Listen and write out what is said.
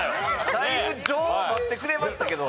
だいぶ「所」を待ってくれましたけど。